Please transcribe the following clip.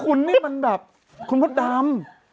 คุณนี่มันแบบคุณมดดำ